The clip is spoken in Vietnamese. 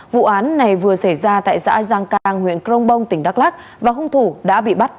vụ án này vừa xảy ra tại xã giang cang huyện crong bong tỉnh đắk lắc và hung thủ đã bị bắt